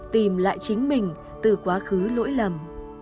tìm lại chính mình từ quá khứ lỗi lầm